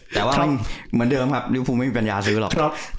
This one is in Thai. แต่ว่าเหมือนเดิมครับริวภูไม่มีปัญญาซื้อหรอก